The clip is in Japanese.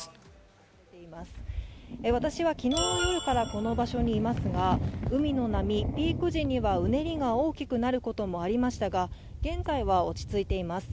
私は昨日の夜からこの場所にいますが海の波、ピーク時にはうねりが大きくなることもありましたが現在は落ち着いています。